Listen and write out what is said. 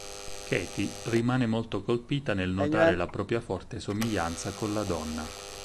Katie rimane molto colpita nel notare la propria forte somiglianza con la donna.